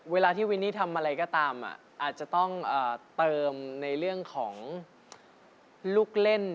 เวลาที่วินนี่ทำอะไรก็ตามอาจจะต้องเติมในเรื่องของลูกเล่น